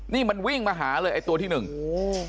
นี่มันวิ่งมาเหลือตัวที่หนึ่งโห